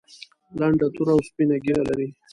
لنډه توره او سپینه ږیره لري.